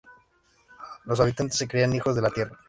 Los habitantes se creían hijos de la tierra.